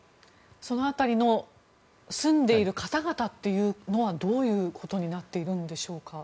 その辺りの住んでいる方々というのはどういうことになっているんでしょうか？